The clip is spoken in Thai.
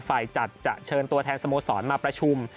ฝ่ายจัดจะเชิญตัวแทนสโมสรมาประชุม